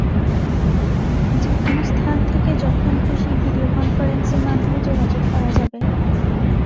যেকোনো স্থান থেকে যখন খুশি ভিডিও কনফারেন্সের মাধ্যমে যোগাযোগ করা যাবে।